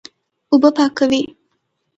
اوبه پاکوي.